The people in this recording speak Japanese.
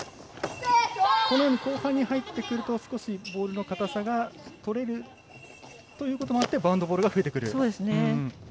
後半に入ってくるとボールの硬さがとれるということもあってバウンドボールが増えてくる。